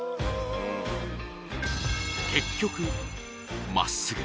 うん結局まっすぐ